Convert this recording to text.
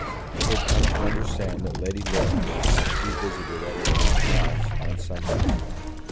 He had come to understand that Lady Laura was not to be visited at her own house on Sundays.